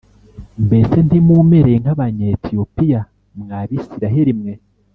“Mbese ntimumereye nk’Abanyetiyopiya, mwa Bisirayeli mwe?